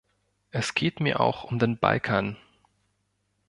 Es geht mir auch um den Balkan.